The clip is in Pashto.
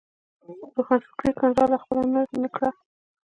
د روښانفکرۍ کڼلاره خپله نه کړه.